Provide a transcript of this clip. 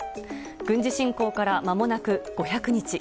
軍事侵攻からまもなく５００日。